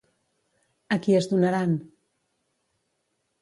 A qui es donaran?